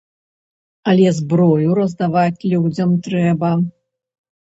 Але зброю раздаваць людзям трэба.